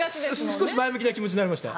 少し前向きな気持ちになりました。